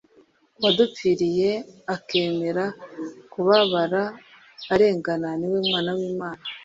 Uwadupfiriye akemera kubabara arengana niwe mwana wimana